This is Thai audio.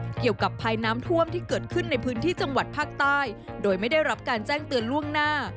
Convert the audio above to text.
เกี่ยวกับภัยน้ำท่วมที่เกิดขึ้นในพื้นที่จังหวัดภาคใต้โดยไม่ได้รับการแจ้งเตือนล่วงหน้า